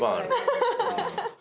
アハハハ。